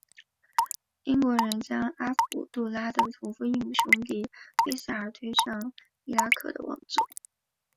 英国人将阿卜杜拉的同父异母兄弟费萨尔推上伊拉克的王座。